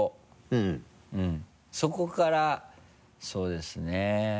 うんそこからそうですね。